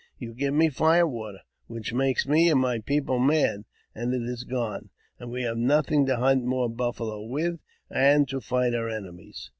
You give me fire water, which makes me and my people mad ; and it is gone, and we have nothing to hunt more buffalo with, and to fight our enemies."